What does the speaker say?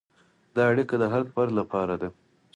دا اړیکه د هر فرد لپاره ده.